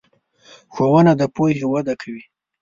ښوونه د پوهې وده کوي.